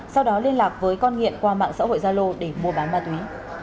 sau đó liên lạc với con nghiện qua mạng xã hội gia lô để mua bán ma túy